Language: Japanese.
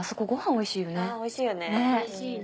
おいしいよね。